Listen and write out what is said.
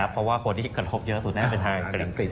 เพราะว่าคนที่กระทบเยอะสุดน่าจะเป็นทางอังกฤษ